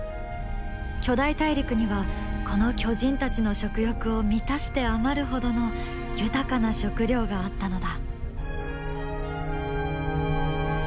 巨大大陸にはこの巨人たちの食欲を満たして余るほどの豊かな食料があったのだ。